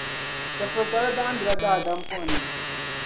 Chεfuritali bahindila daadam buɣim ni.